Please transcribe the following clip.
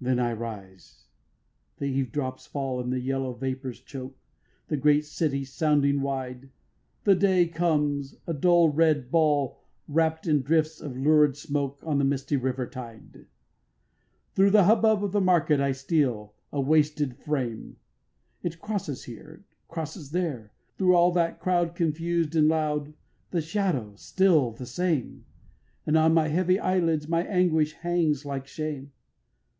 9. Then I rise, the eavedrops fall, And the yellow vapours choke The great city sounding wide; The day comes, a dull red ball Wrapt in drifts of lurid smoke On the misty river tide. 10. Thro' the hubbub of the market I steal, a wasted frame, It crosses here, it crosses there, Thro' all that crowd confused and loud, The shadow still the same; And on my heavy eyelids My anguish hangs like shame.